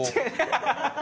ハハハ！